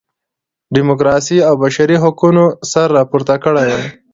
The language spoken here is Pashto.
ډیموکراسۍ او بشري حقونو سر راپورته کړی وای.